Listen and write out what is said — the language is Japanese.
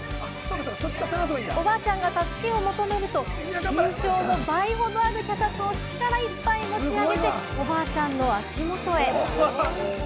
おばあちゃんが助けを求めると、身長の倍ほどある脚立を力いっぱい持ち上げて、おばあちゃんの足元へ。